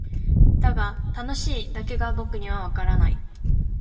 だが「楽しい」だけが僕にはわからない。